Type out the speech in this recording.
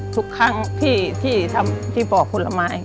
ทุกครั้งที่ทำที่ปอกผลไม้